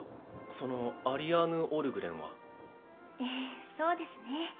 そのアリアーヌ＝オルグレンはええそうですね